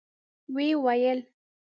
ويې ويل: